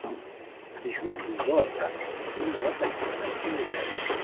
ہتے ژور بو زور پرائے ہنون اوا تہ کپالہ اوغ دریم رے